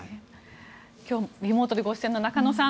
リモートでご出演の中野さん